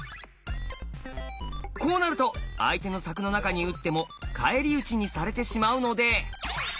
こうなると相手の柵の中に打っても返り討ちにされてしまうので。